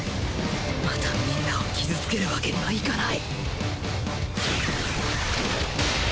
また皆を傷つけるわけにはいかない！